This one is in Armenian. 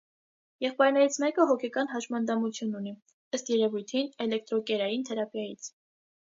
Եղբայրներից մեկը հոգեկան հաշմանդամություն ունի (ըստ երևույթին ՝ էլեկտրոկերային թերապիայից)։